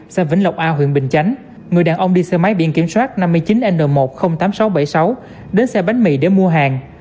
xã vĩnh lộc a huyện bình chánh người đàn ông đi xe máy biển kiểm soát năm mươi chín n một trăm linh tám nghìn sáu trăm bảy mươi sáu đến xe bánh mì để mua hàng